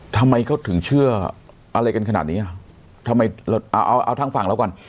ทำไมเขาถึงเชื่ออะไรกันขนาดนี้อ่ะทำไมเราเอาเอาทางฝั่งเราก่อน